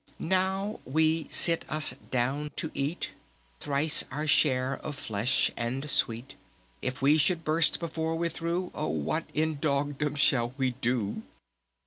'Now we sit us down to eat Thrice our share of Flesh and Sweet. If we should burst before we're through, Oh what in Dogdom shall we do?'